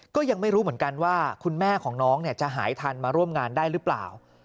ก็ยังไม่รู้เหมือนกันว่าคุณแม่ของน้องจะหายทันมาร่วมงานได้หรือเปล่า